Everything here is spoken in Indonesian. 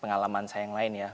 pengalaman saya yang lain ya